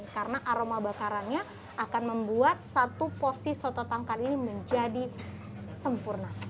karena aroma bakarannya akan membuat satu porsi soto tangkar ini menjadi sempurna